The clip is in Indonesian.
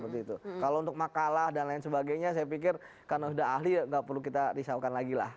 kalau untuk makalah dan lain sebagainya saya pikir karena sudah ahli nggak perlu kita risaukan lagi lah